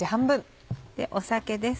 酒です。